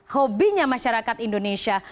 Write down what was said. hobinya masyarakat indonesia